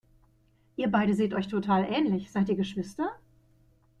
Ihr beide seht euch total ähnlich, seid ihr Geschwister?